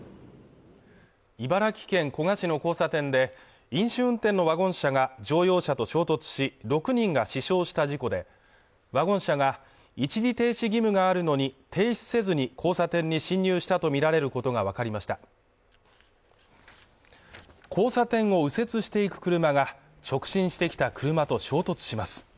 茨城県古河市の交差点で飲酒運転のワゴン車が乗用車と衝突し６人が死傷した事故でワゴン車が一時停止義務があるのに停止せずに交差点に進入したとみられることが分かりました交差点を右折していく車が直進してきた車と衝突します